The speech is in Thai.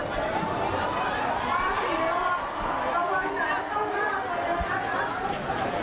วิทยาลัยเมริกาวิทยาลัยเมริกา